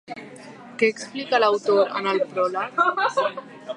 Què explica, l'autor, en el pròleg?